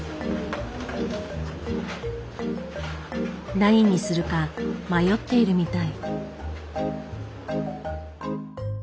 何にするか迷っているみたい。